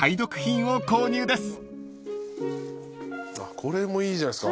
これもいいじゃないっすか。